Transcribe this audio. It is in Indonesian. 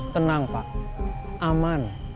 tenang pak aman